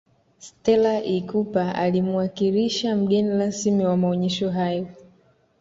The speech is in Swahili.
stella ikupa alimuwakilisha mgeni rasmi wa maonesho hayo